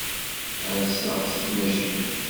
Rseɣ-d si tmacint.